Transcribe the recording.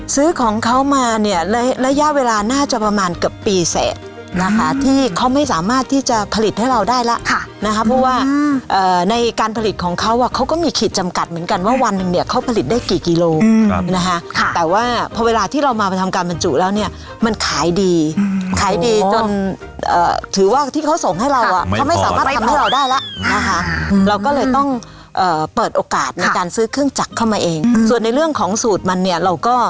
ซื้อของเขามาเนี่ยระยะเวลาน่าจะประมาณเกือบปีแสนะคะที่เขาไม่สามารถที่จะผลิตให้เราได้แล้วนะคะเพราะว่าในการผลิตของเขาอะเขาก็มีขีดจำกัดเหมือนกันว่าวันเนี่ยเขาผลิตได้กี่กิโลนะคะแต่ว่าพอเวลาที่เรามาทำการบรรจุแล้วเนี่ยมันขายดีขายดีจนถือว่าที่เขาส่งให้เราอะเขาไม่สามารถทำให้เราได้แล้วนะคะเราก็เลยต้องเปิดโอกา